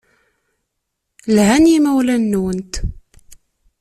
Lhan yimawlan-nwent.